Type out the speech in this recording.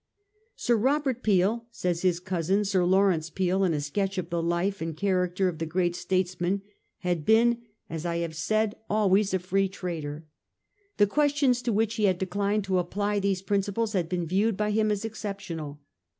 Sir Robert Peel,' says his cousin Sir •Laurence Peel, in a sketch of the life and character of the great statesman, '.had been, as I have said, 1841— C. PEEL AND PROTECTION. 355 always a Free Trader. The questions to which he had declined to apply those principles had been viewed by him as exceptional.